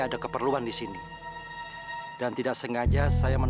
maaf pak ada yang bisa saya bantu